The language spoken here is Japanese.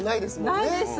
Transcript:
ないです。